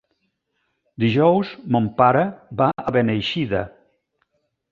Dijous mon pare va a Beneixida.